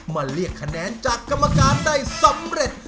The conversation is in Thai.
เรียกคะแนนจากกรรมการได้สำเร็จ